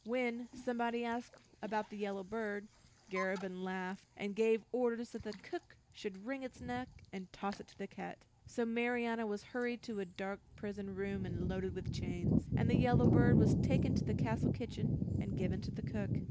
When somebody asked about the yellow bird, Garabin laughed, and gave orders that the cook should wring its neck, and toss it to the cat. So Marianna was hurried to a dark prison room and loaded with chains, and the yellow bird was taken to the castle kitchen, and given to the cook.